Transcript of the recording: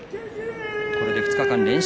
これで２日間、連勝。